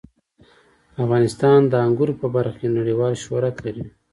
افغانستان د انګورو په برخه کې نړیوال شهرت لري.